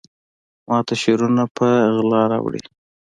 ماته شعرونه په غلا راوړي